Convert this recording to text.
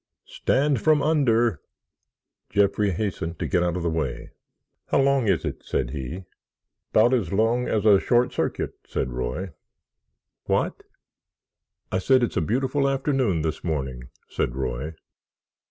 "Stand from under!" Jeffrey hastened to get out of the way. "How long is it?" said he. "'Bout as long as a short circuit," said Roy. "What?" "I said it's a beautiful afternoon this morning," said Roy.